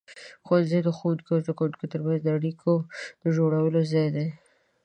ښوونځی د ښوونکو او زده کوونکو ترمنځ د اړیکو د جوړولو ځای دی.